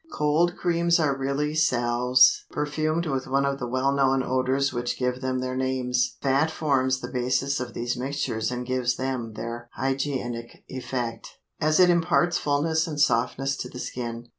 Cold creams are really salves perfumed with one of the well known odors which give them their names. Fat forms the basis of these mixtures and gives them their hygienic effect, as it imparts fulness and softness to the skin.